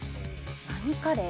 何カレー？